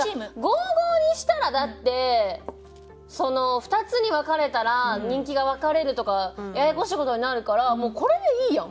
５５にしたらだって２つに分かれたら人気が分かれるとかややこしい事になるからもうこれでいいやん。